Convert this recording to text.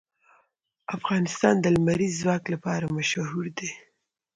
افغانستان د لمریز ځواک لپاره مشهور دی.